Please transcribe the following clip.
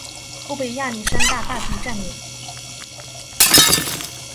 后被亚历山大大帝占领。